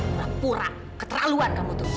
nggak pura keterlaluan kamu tuh